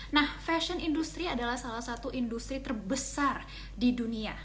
nah fashion industry adalah salah satu industri terbesar di dunia